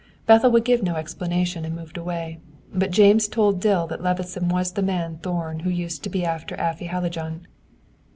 Bethel would give no explanation, and moved away; but James told Dill that Levison was the man Thorn who used to be after Afy Hallijohn."